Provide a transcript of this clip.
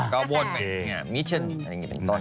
ก็วนแบบนี้นิชชั่น